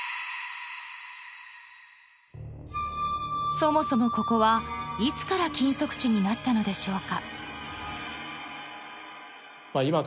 ［そもそもここはいつから禁足地になったのでしょうか？］